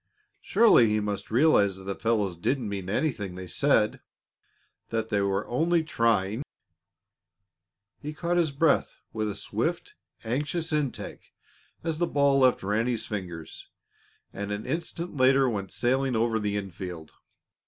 Surely he must realize that the fellows didn't mean anything they said; that they were only trying He caught his breath with a swift, anxious intake as the ball left Ranny's fingers and an instant later went sailing over the infield.